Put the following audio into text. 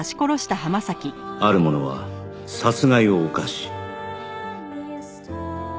ある者は殺害を犯し